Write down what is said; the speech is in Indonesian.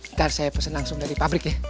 ntar saya pesan langsung dari pabrik ya